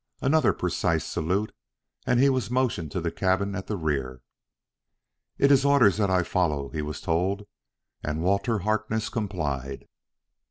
Another precise salute, and he was motioned to the cabin at the rear. "It is orders that I follow," he was told. And Walter Harkness complied.